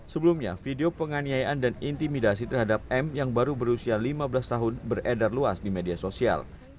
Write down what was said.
sebelumnya video penganiayaan dan intimidasi terhadap m yang baru berusia lima belas tahun beredar luas di media sosial